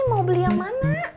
mau beli yang mana